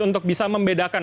untuk bisa membedakan